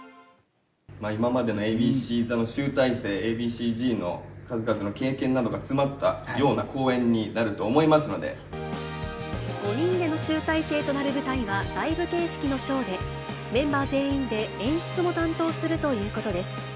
今までのＡＢＣ座の集大成、Ａ．Ｂ．ＣーＺの数々の経験などが詰まったような公演になると思５人での集大成となる舞台はライブ形式のショーで、メンバー全員で演出も担当するということです。